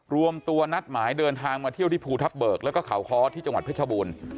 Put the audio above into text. รวมตัวนัดหมายเดินทางมาเที่ยวที่ภูทับเบิกแล้วก็เขาค้อที่จังหวัดเพชรบูรณ์